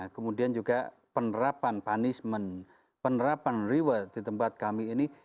kemudian juga penerapan punishment penerapan reward di tempat kami ini